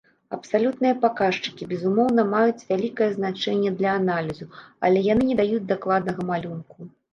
Абсалютныя паказчыкі, безумоўна, маюць вялікае значэнне для аналізу, але яны не даюць дакладнага малюнку.